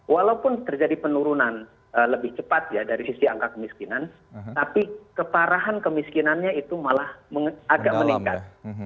walaupun terjadi penurunan lebih cepat ya dari sisi angka kemiskinan tapi keparahan kemiskinannya itu malah agak meningkat